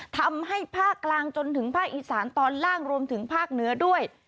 ทำให้ภาคกลางจนถึงภาคอีสานตอนล่างรวมถึงภาคเหนือด้วย